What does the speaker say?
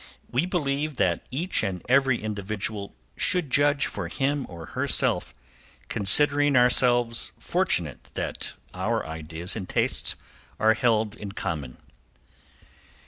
We believe that each and every individual should judge for him or herself, considering ourselves fortunate that our ideas and tastes are held in common.